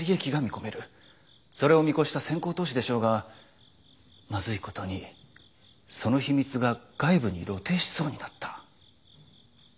それを見越した先行投資でしょうがまずいことにその秘密が外部に露呈しそうになった。